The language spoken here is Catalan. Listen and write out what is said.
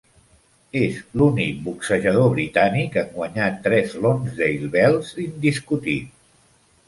És l'únic boxejador britànic en guanyar tres Lonsdale Belts indiscutit.